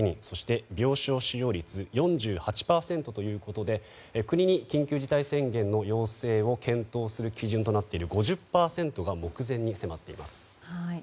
そして病床使用率４８％ということで国に緊急事態宣言の要請を検討する基準となっている５０％が目前に迫っています。